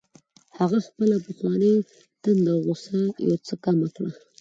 هغه خپله پخوانۍ تنده او غوسه یو څه کمه کړه